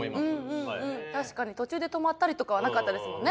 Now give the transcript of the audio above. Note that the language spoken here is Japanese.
確かに途中で止まったりとかはなかったですもんね。